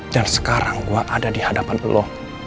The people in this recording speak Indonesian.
dan sekarang gue ada di hadapan lo